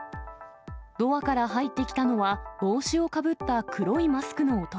ドアから入ってきたのは、帽子をかぶった黒いマスクの男。